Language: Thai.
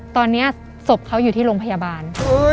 ตอนนี้ศพเขาอยู่ที่โรงพยาบาล